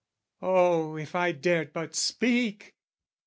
Oh, if I dared but speak!